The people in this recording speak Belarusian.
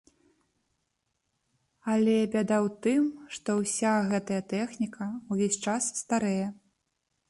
Але бяда ў тым, што ўся гэтая тэхніка ўвесь час старэе!